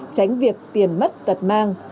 tránh việc tiền mất tật mang